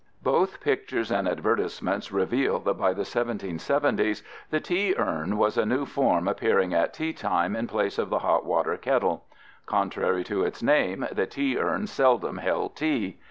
Both pictures and advertisements reveal that by the 1770's the tea urn was a new form appearing at teatime in place of the hot water kettle. Contrary to its name, the tea urn seldom held tea.